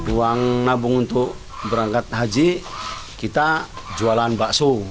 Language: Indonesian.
uang nabung untuk berangkat haji kita jualan bakso